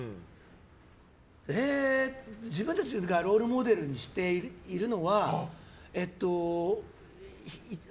自分たちがロールモデルにしているのは。